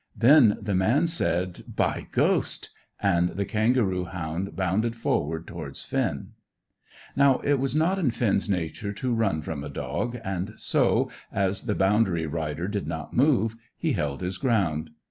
Then the man said, "By ghost!" and the kangaroo hound bounded forward towards Finn. Now it was not in Finn's nature to run from a dog, and so, as the boundary rider did not move, he held his ground.